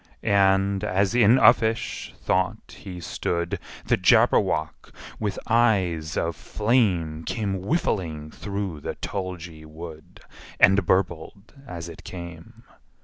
And, as in uffish thought he stood, The Jabberwock, with eyes of flame, Came whiffling through the tulgey wood, And burbled as it came!